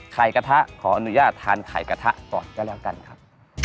กระทะขออนุญาตทานไข่กระทะก่อนก็แล้วกันครับ